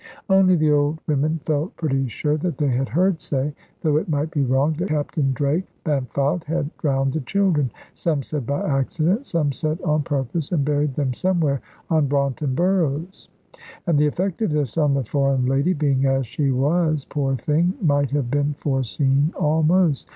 Only the old women felt pretty sure that they had heard say, though it might be wrong, that Captain Drake Bampfylde had drowned the children, some said by accident, some said on purpose, and buried them somewhere on Braunton Burrows. And the effect of this on the foreign lady, being as she was, poor thing, might have been foreseen almost.